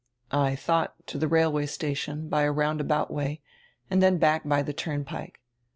"I thought, to the railway station, by a roundabout way, and then back by the turnpike.